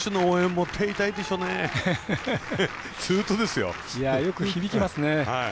よく響きますね。